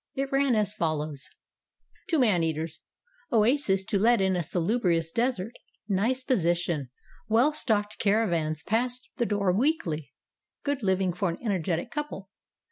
It ran as follows : "To MAN EATERS. Oases to let in a salubrious desert. Nice position. Well stocked caravans pass the door weekly. Good living for an energetic couple.